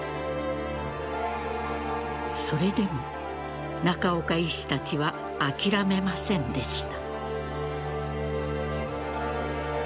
それでも中岡医師たちは諦めませんでした。